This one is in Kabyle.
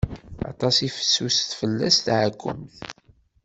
Atas i fessuset fell-as teɛkumt.